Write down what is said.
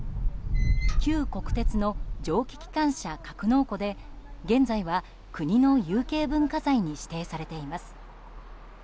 旧国鉄の蒸気機関車格納庫で現在は国の有形文化財に指定されています。